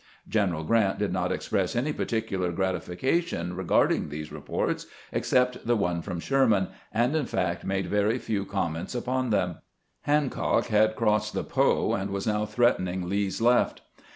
General Grant did not express any particular gratification regarding these reports, ex cept the one from Sherman, and in fact made very few comments upon them. Hancock had crossed the Po, and was now threatening Lee's left.